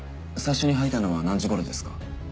最初に吐いたのは何時頃ですか？